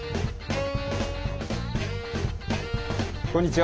こんにちは。